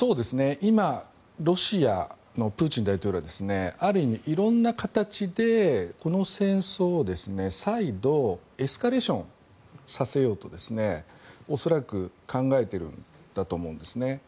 今ロシアのプーチン大統領はある意味、色んな形でこの戦争を再度エスカレーションさせようと恐らく、考えているんだと思うんですね。